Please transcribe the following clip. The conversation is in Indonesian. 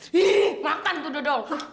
ih makan tuh dodol